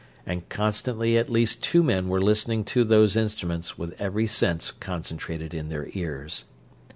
And constantly at least two men were listening to those instruments with every sense concentrated in their ears.